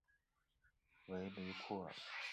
维雷库尔。